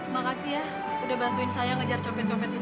makasih ya udah bantuin saya ngejar copet copet gitu